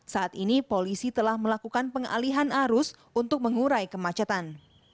saat ini polisi telah melakukan pengalihan arus untuk mengurai kemacetan